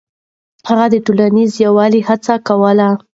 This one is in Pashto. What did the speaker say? هغه د ټولنيز يووالي هڅه کوله.